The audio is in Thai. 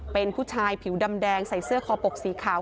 เป็นผู้ชายผิวดำแดงใส่เสื้อคอปกสีขาว